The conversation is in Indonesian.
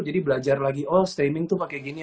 jadi belajar lagi oh streaming tuh pakai gini